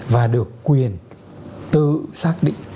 và được quyền tự xác định